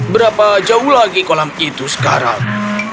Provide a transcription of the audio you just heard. berapa jauh lagi kolam itu sekarang